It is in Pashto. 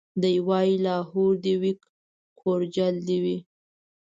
دی وايي لاهور دي وي کورجل دي وي